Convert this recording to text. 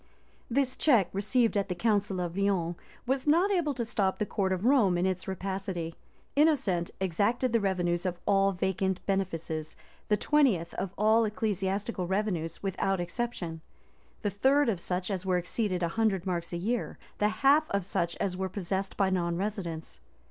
This check, received at the council of Lyons, was not able to stop the court of Rome in its rapacity: Innocent exacted the revenues of all vacant benefices, the twentieth of all ecclesiastical revenues without exception; the third of such as were exceeded a hundred marks a year; the half of such as were possessed by non residents.